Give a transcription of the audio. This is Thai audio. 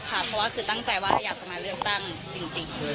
เพราะว่าคือตั้งใจว่าอยากจะมาเลือกตั้งจริง